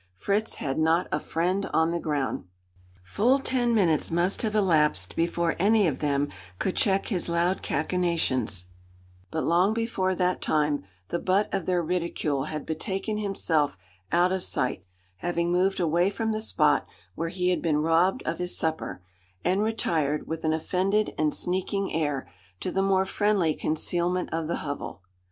Fritz had not a friend on the ground. Full ten minutes must have elapsed before any of them could check his loud cachinnations; but long before that time, the butt of their ridicule had betaken himself out of sight having moved away from the spot, where he had been robbed of his supper, and retired, with an offended and sneaking air, to the more friendly concealment of the hovel.